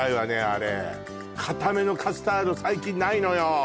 あれかためのカスタード最近ないのよ